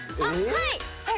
はい！